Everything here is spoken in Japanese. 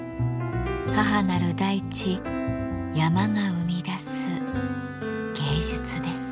母なる大地山が生み出す芸術です。